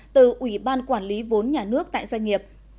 từ ủy ban quản lý vốn nhà nước tại doanh nghiệp